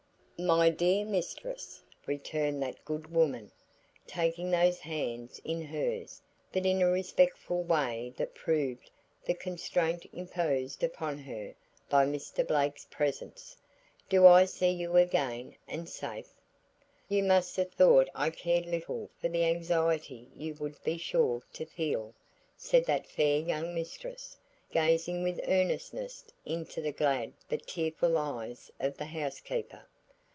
"My dear mistress!" returned that good woman, taking those hands in hers but in a respectful way that proved the constraint imposed upon her by Mr. Blake's presence. "Do I see you again and safe?" "You must have thought I cared little for the anxiety you would be sure to feel," said that fair young mistress, gazing with earnestness into the glad but tearful eyes of the housekeeper.